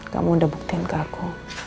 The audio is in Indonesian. kamu udah buktiin ke aku